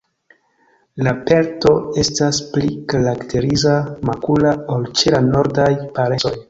La pelto estas pli karakteriza, makula ol ĉe la nordaj parencoj.